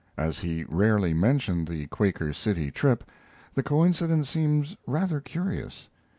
As he rarely mentioned the Quaker City trip, the coincidence seems rather curious.